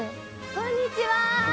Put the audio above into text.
こんにちは。